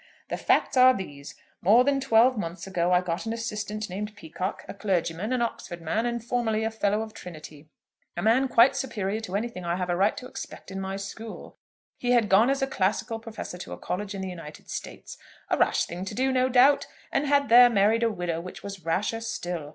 "The facts are these. More than twelve months ago I got an assistant named Peacocke, a clergyman, an Oxford man, and formerly a Fellow of Trinity; a man quite superior to anything I have a right to expect in my school. He had gone as a Classical Professor to a college in the United States; a rash thing to do, no doubt; and had there married a widow, which was rasher still.